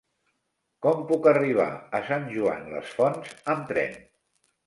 Com puc arribar a Sant Joan les Fonts amb tren?